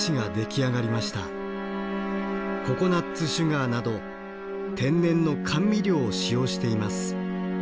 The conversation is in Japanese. ココナツシュガーなど天然の甘味料を使用しています。